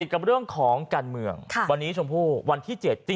กับเรื่องของการเมืองวันนี้ชมพู่วันที่๗